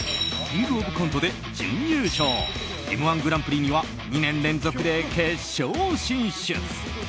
「キングオブコント」で準優勝「Ｍ‐１グランプリ」には２年連続で決勝進出。